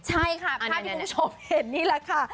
ใช่ค่ะภาพที่คุณผู้ชมเห็นนี่แหละค่ะ